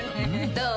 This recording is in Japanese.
どう？